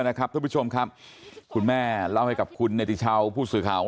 นะครับทุกผู้ชมครับคุณแม่เล่าให้กับคุณในติชาวผู้สื่อข่าวของ